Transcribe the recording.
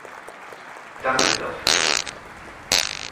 Danke dafür.